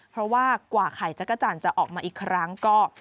เพราะว่ากว่าไข่จักรจันทร์จะออกมาอีกครั้งก็